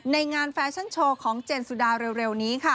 ในงานแฟชั่นโชว์ของเจนสุดาเร็วนี้ค่ะ